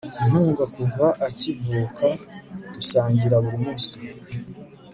inkunga kuva akivuka dusangira buri munsi